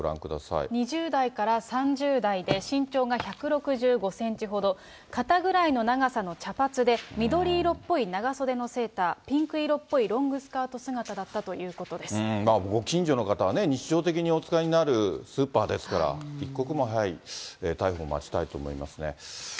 ２０代から３０代で、身長が１６５センチほど、肩ぐらいの長さの茶髪で、緑色っぽい長袖のセーター、ピンク色っぽいロングスカート姿だっご近所の方はね、にちじょうてきにおつかいになるすーぱーですから一刻も早い逮捕を待ちたいと思いますね。